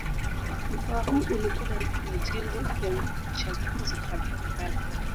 Mkoa huu ulikuwa na majimbo ya uchaguzi kadha na kadha